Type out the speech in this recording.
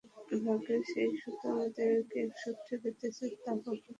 ভাগ্যের যেই সুতো আমাদেরকে একসূত্রে গেঁথেছে, তা কখনও ছিঁড়বে না।